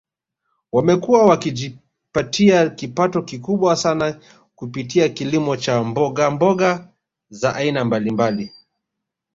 Wamekuwa wakijipatia kipato kikubwa sana kupitia kilimo cha mbogmboga za aina mbalimbali